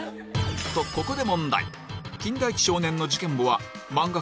とここで問題